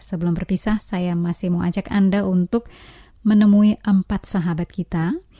sebelum berpisah saya masih mau ajak anda untuk menemui empat sahabat kita